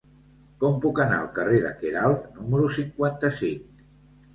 Com puc anar al carrer de Queralt número cinquanta-cinc?